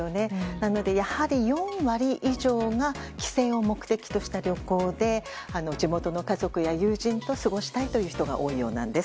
なので、やはり４割以上が帰省を目的とした旅行で地元の家族や友人と過ごしたいという人が多いようなんです。